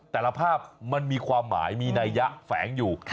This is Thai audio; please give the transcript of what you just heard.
แต่ละภาพมันมีความหมายมีนัยยะแฝงอยู่